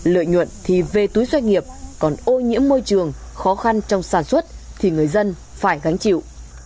lợi nhuận thì về túi doanh nghiệp còn ô nhiễm môi trường khó khăn trong sản xuất thì người dân phải gánh chịu